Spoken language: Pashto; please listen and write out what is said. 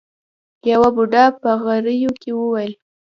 يوه بوډا په غريو کې وويل.